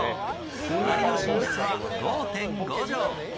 隣の寝室は５．５畳。